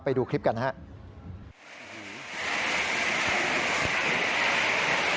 ไปดูคลิปกันนะครับ